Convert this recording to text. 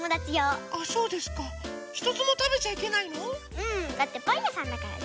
うんだってパンやさんだからね。